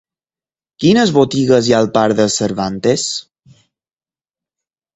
Quines botigues hi ha al parc de Cervantes?